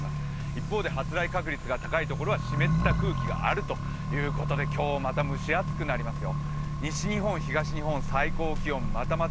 一方で発雷確率が高いところは湿った空気があるということで、今日、また蒸し暑くなりますよ。